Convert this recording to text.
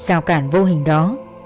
giào cản vô hình đó